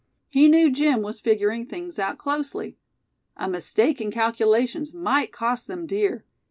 He knew Jim was figuring things out closely. A mistake in calculations might cost them dear.